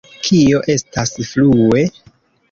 Kio estas »frue«?